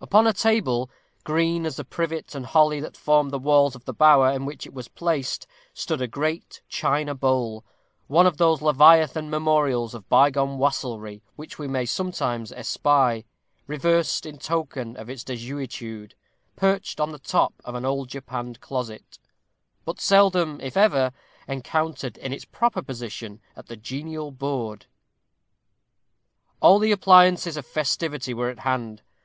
Upon a table, green as the privet and holly that formed the walls of the bower in which it was placed, stood a great china bowl, one of those leviathan memorials of bygone wassailry which we may sometimes espy reversed in token of its desuetude perched on the top of an old japanned closet, but seldom, if ever, encountered in its proper position at the genial board. All the appliances of festivity were at hand.